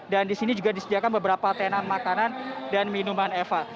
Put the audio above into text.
dan disini juga disediakan beberapa tenan makanan dan minuman eva